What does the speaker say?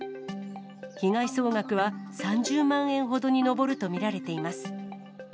被害総額は３０万円ほどに上ると見られています。